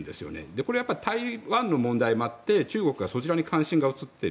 これはやっぱり台湾の問題もあって中国がそちらに関心が移っている。